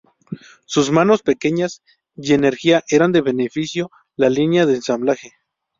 Sus manos pequeñas y energía eran de beneficio la línea de ensamblaje.